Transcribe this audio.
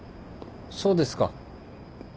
そうですか。